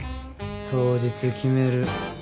当日決める。